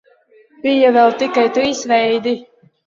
Bija vēl tikai trīs veidi.